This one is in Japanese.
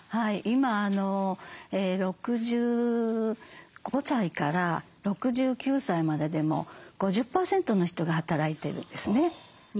今６５歳から６９歳まででも５０％の人が働いてるんですね。